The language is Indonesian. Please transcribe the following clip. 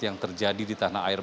yang terjadi di tanah air